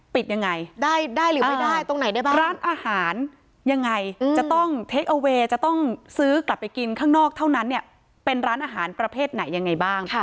ปิดยังไงร้านอาหารยังไงจะต้องเทคเออเวย์จะต้องซื้อกลับไปกินข้างนอกเท่านั้นเป็นร้านอาหารประเภทไหนยังไงบ้าง